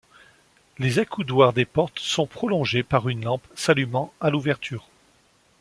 Les accoudoirs des portes sont prolongés par une lampe s'allumant à l'ouverture.